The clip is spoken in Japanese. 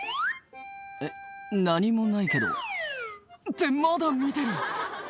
えっ何もないけどってまだ見てる！